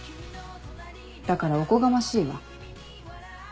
だからおこがましいわ。